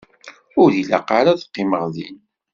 Ur ilaq ara ad qqimeɣ din.